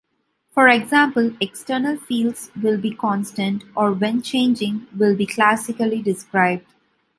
For example, external fields will be constant, or when changing will be classically described.